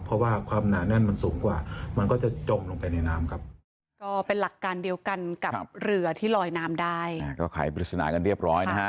เพราะว่าความหนาแน่นมันสูงกว่ามันก็จะจมลงไปในน้ำครับ